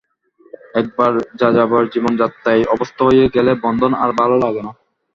একবার যাযাবর জীবনযাত্রায় অভ্যস্ত হয়ে গেলে বন্ধন আর ভালো লাগে না।